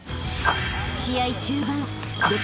［試合中盤］